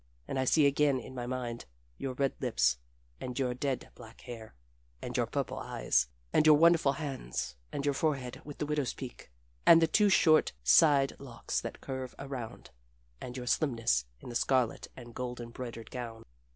And I see again in my mind your red lips, and your dead black hair, and your purple eyes, and your wonderful hands, and your forehead with the widow's peak, and the two short side locks that curve around, and your slimness in the scarlet and gold embroidered gown.